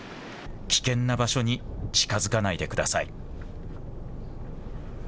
危険な場所に近づかないでください。